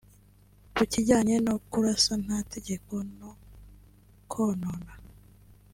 Ku kijyanye no kurasa nta tegeko no konona